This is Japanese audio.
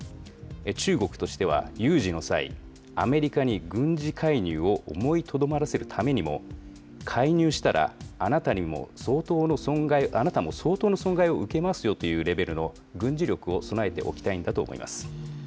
中国としては有事の際、アメリカに軍事介入を思いとどまらせるためにも、介入したら、あなたも相当の損害を受けますよというレベルの軍事力を備えておきたいんだと思います。